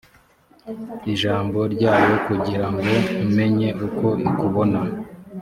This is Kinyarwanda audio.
ijambo ryayo kugira ngo umenye uko ikubona